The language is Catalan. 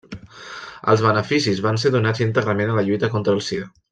Els beneficis van ser donats íntegrament a la lluita contra la sida.